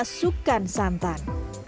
lalu masukkan santan